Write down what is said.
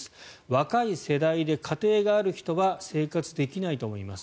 若い世代で家庭がある人は生活できないともいいます。